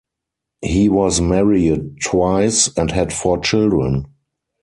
He was married twice, and had four children.